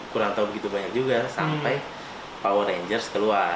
kurang tahu begitu banyak juga sampai power rangers keluar